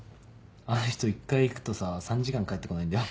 あの人１回行くとさ３時間帰ってこないんだよ。